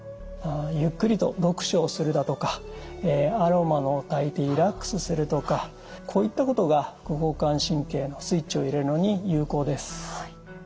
ゆっくりと読書をするだとかアロマをたいてリラックスするとかこういったことが副交感神経のスイッチを入れるのに有効です。